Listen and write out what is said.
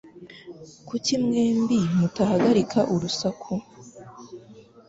Kuki mwembi mutahagarika urusaku?